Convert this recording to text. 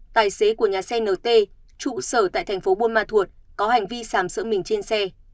tài xế của nhà xe nt trụ sở tại thành phố buôn ma thuột có hành vi sàm sỡ mình trên xe